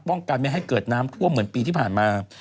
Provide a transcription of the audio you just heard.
กันไม่ให้เกิดน้ำท่วมเหมือนปีที่ผ่านมา